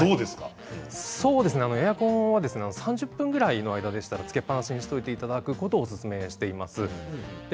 エアコンは３０分ぐらいの間でしたら、つけっぱなしにしておいたほうをおすすめしています。